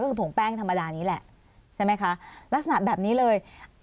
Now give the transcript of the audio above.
ก็คือผงแป้งธรรมดานี้แหละใช่ไหมคะลักษณะแบบนี้เลย